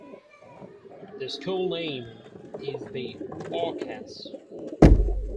The school name is the "Orcas".